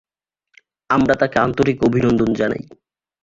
আমরা তাঁকে আন্তরিক অভিনন্দন জানাই।